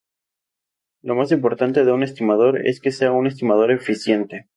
Lo más importante de un estimador, es que sea un estimador eficiente.